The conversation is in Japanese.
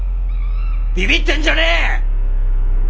びびってんじゃねえ！